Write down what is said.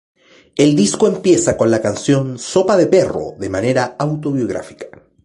El disco empieza con la canción "Sopa de Perro" de manera autobiográfica.